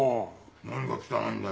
何が汚いんだよ。